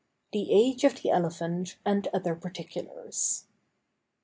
THE AGE OF THE ELEPHANT, AND OTHER PARTICULARS.